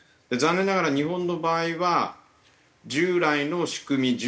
残念ながら日本の場合は従来の仕組み